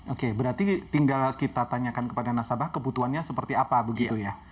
oke berarti tinggal kita tanyakan kepada nasabah kebutuhannya seperti apa begitu ya